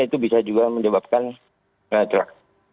itu bisa juga menyebabkan truck